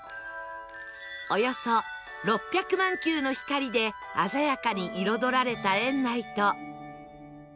およそ６００万球の光で鮮やかに彩られた園内と